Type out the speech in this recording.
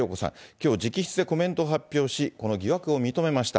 きょう、直筆でコメントを発表し、この疑惑を認めました。